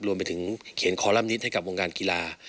รวมไปถึงเขียนคอลัมนิตให้กับวงการกีฬา